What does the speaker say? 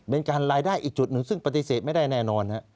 เป็นการรายได้อีกจุดหนึ่งซึ่งปฏิเสธไม่ได้แน่นอน